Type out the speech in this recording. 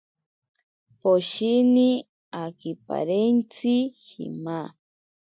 Poshini akiparentsi shima.